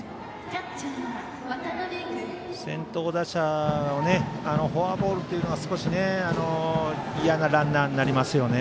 先頭打者をフォアボールというのが少し少し嫌なランナーになりますよね。